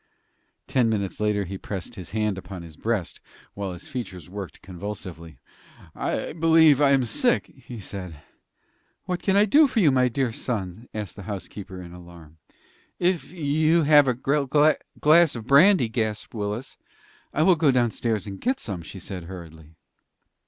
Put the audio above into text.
Ten minutes later he pressed his hand upon his breast, while his features worked convulsively. "I believe I am sick," he said. "What can I do for you, my dear son?" asked the housekeeper, in alarm. "If you have a glass of brandy!" gasped Willis. "I will go downstairs and get some," she said, hurriedly.